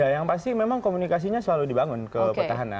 yang pasti memang komunikasinya selalu dibangun ke petahana